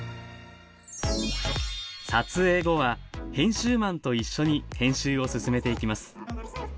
撮影後は編集マンと一緒に編集を進めていきます。